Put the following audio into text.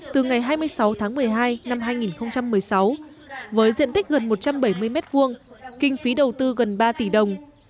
từ ngày hai mươi sáu tháng một mươi hai năm hai nghìn một mươi sáu với diện tích gần một trăm bảy mươi m hai kinh phí đầu tư gần ba tỷ đồng